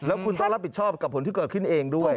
แล้วคุณต้องรับผิดชอบกับผลที่เกิดขึ้นเองด้วย